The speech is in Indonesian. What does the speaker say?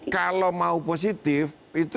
kalau mau positif itu